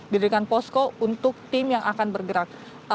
didirikan posko untuk tim yang akan bergerak